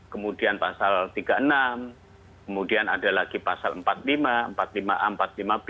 kemudian pasal tiga puluh enam kemudian ada lagi pasal empat puluh lima empat puluh lima a empat puluh lima b